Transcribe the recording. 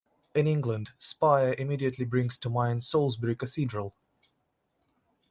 In England, "spire" immediately brings to mind Salisbury Cathedral.